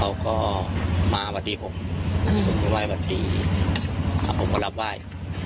เขาก็มาบัตรีผมคุณก็จอดเขาไว้บัตรีมาผมก็รับไว้